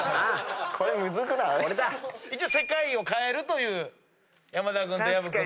一応「世界を変える」という山田君と薮君のイラスト。